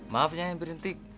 maafnya yang berhenti